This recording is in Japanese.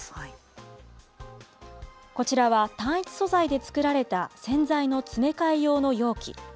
こちらは単一素材で作られた洗剤の詰め替え用の容器。